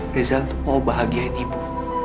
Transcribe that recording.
rizal mau bahagiain ibu